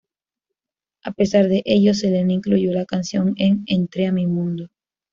A pesar de ello, Selena incluyó la canción en "Entre a mi mundo".